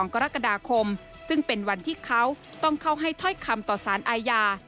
กรกฎาคมซึ่งเป็นวันที่เขาต้องเข้าให้ถ้อยคำต่อสารอาญา